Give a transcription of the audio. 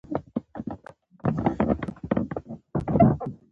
په خرما کې فولاد شته، چې د وینې لپاره مهم دی.